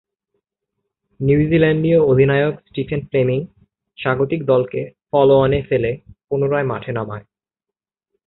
নিউজিল্যান্ডীয় অধিনায়ক Stephen Fleming স্বাগতিক দলকে ফলো-অনে ফেলে পুনরায় মাঠে নামায়।